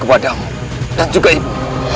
padamu dan juga ibu